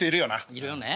いるよね。